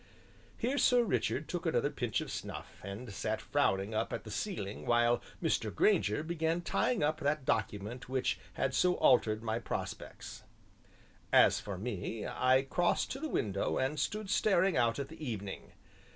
Here Sir Richard took another pinch of snuff and sat frowning up at the ceiling, while Mr. Grainger began tying up that document which had so altered my prospects. As for me, I crossed to the window and stood staring out at the evening.